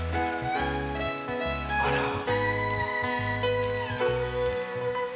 あらー。